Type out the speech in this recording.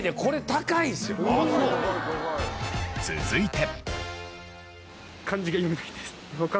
続いて。